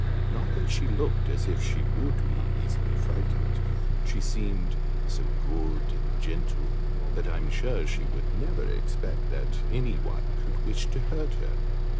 Not that she looked as if she would be easily frightened: she seemed so good and gentle that I'm sure she would never expect that any one could wish to hurt her.